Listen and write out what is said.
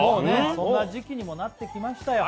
そんな時季にもなってきましたよ